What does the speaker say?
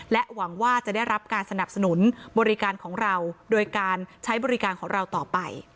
หวังว่าจะได้รับการสนับสนุนบริการของเราโดยการใช้บริการของเราต่อไป